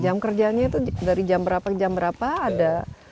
jam kerjanya itu dari jam berapa ke jam berapa ada